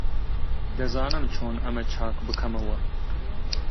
دەزانم چۆن ئەمە چاک بکەمەوە.